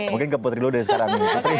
mungkin ke putri lo dari sekarang